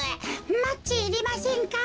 マッチいりませんか？